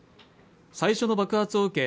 最初の爆発を受け